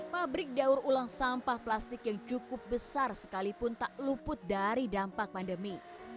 pabrik daur ulang sampah plastik yang cukup besar sekalipun tak luput dari dampak pandemi